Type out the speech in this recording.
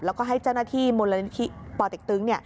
แล้วก็ให้เจ้าหน้าที่มูลนิธิปอเต็กตึง